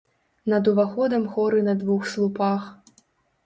Над уваходам хоры на двух слупах.